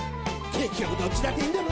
結局どっちだっていいんだろ？」